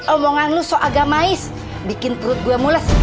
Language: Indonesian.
omongan lu so agamais bikin perut gue mules